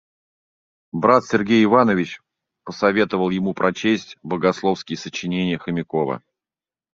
Брат Сергей Иванович посоветовал ему прочесть богословские сочинения Хомякова.